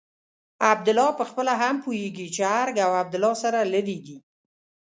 عبدالله پخپله هم پوهېږي چې ارګ او عبدالله سره لرې دي.